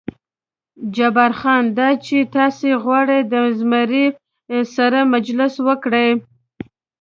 جبار خان: دا چې تاسې غواړئ د زمري سره مجلس وکړئ.